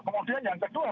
kemudian yang kedua